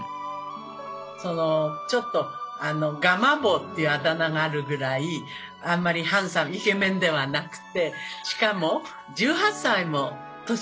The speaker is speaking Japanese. ちょっと「ガマ坊」っていうあだ名があるぐらいあんまりハンサムイケメンではなくてしかも１８歳も年が離れてますよね。